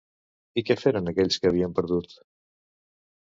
I què feren aquells que havien perdut?